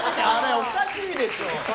おかしいでしょ。